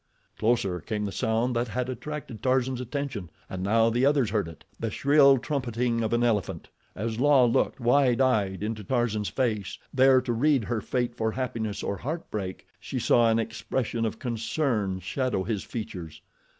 Closer came the sound that had attracted Tarzan's attention and now the others heard it—the shrill trumpeting of an elephant. As La looked wide eyed into Tarzan's face, there to read her fate for happiness or heartbreak, she saw an expression of concern shadow his features.